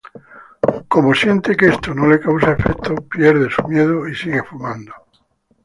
Como siente que esto no le causa efectos, pierde su miedo y sigue fumando.